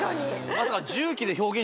まさか。